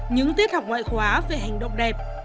những tiết học ngoại khóa về hành động đẹp